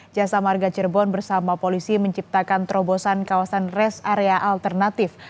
jasa marga cirebon bersama polisi menciptakan terobosan kawasan rest area alternatif